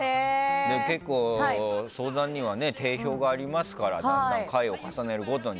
相談には定評がありますから回を重ねるごとに。